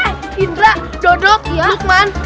eh indra dodok lukman